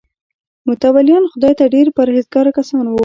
متولیان خدای ته ډېر پرهیزګاره کسان وو.